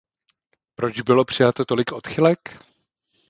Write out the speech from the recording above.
Proč bylo přijato tolik odchylek?